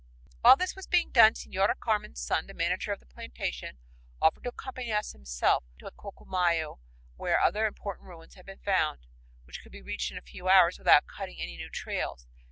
While this was being done, Señora Carmen's son, the manager of the plantation, offered to accompany us himself to Ccllumayu, where other "important ruins" had been found, which could be reached in a few hours without cutting any new trails.